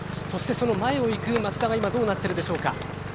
そして前を行く松田は今、どうなっているでしょうか。